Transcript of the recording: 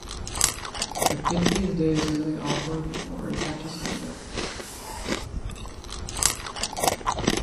Are kids these days really awkward or is that just made up?